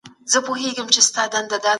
ارواپوهنه د انسان د پوهې علم دی.